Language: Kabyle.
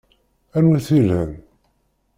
N wi-t-ilan?